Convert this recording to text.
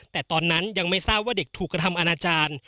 แต่ตอนนั้นยังไม่ทราบว่าเด็กถูกกระทำอนาจารย์